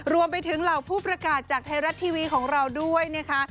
รวมไปถึงเหล่าผู้ประกาศจากไทยรัฐทีวีของเราด้วยนะคะ